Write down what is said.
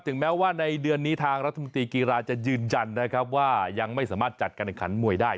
แม้ว่าในเดือนนี้ทางรัฐมนตรีกีฬาจะยืนยันนะครับว่ายังไม่สามารถจัดการแข่งขันมวยได้